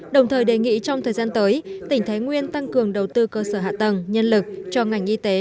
đồng thời đề nghị trong thời gian tới tỉnh thái nguyên tăng cường đầu tư cơ sở hạ tầng nhân lực cho ngành y tế